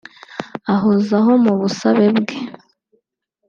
ahozaho mu busabe bwe